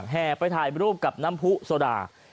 แห่ไปถ่ายรูปกับน้ำผู้โซดา